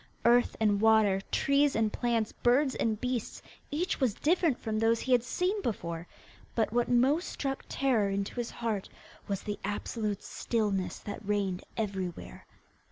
Earth and water, trees and plants, birds and beasts, each was different from those he had seen before; but what most struck terror into his heart was the absolute stillness that reigned everywhere.